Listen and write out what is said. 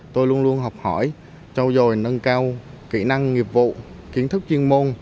tôi luôn luôn học hỏi trao dồi nâng cao kỹ năng nghiệp vụ kiến thức chuyên môn